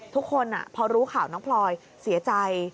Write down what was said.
ทุกคนพอรู้ข่าวน้องพลอยเสียใจ